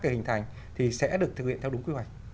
để hình thành thì sẽ được thực hiện theo đúng quy hoạch